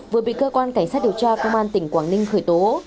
vừa bị cơ quan cảnh sát điều tra công an tỉnh quảng ninh khởi tố